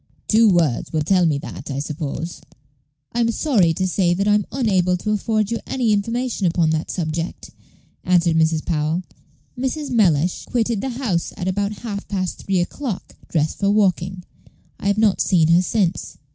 Two words will tell me that, I suppose." "I am sorry to say that I am unable to afford you any information upon that subject," answered Mrs. Powell; "Mrs. Mellish quitted the house at about half past three o'clock, dressed for walking. I have not seen her since."